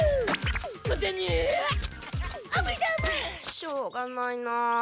しょうがないなあ。